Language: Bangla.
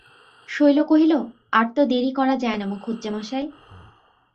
শৈল কহিল, আর তো দেরি করা যায় না মুখুজ্যেমশায়।